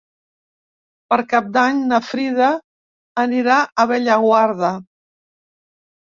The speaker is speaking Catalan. Per Cap d'Any na Frida anirà a Bellaguarda.